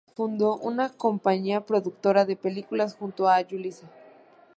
Fundó una compañía productora de películas junto a Julissa.